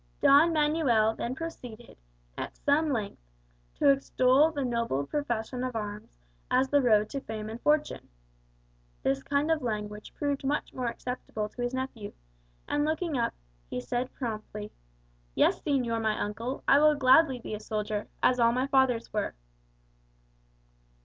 Don Manuel then proceeded, at some length, to extol the noble profession of arms as the road to fame and fortune. This kind of language proved much more acceptable to his nephew, and looking up, he said promptly, "Yes, señor my uncle, I will gladly be a soldier, as all my fathers were."